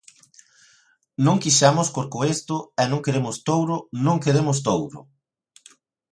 Non quixemos Corcoesto e non queremos Touro, non queremos Touro.